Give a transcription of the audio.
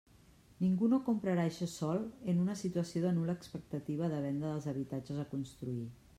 Ningú no comprarà eixe sòl en una situació de nul·la expectativa de venda dels habitatges a construir.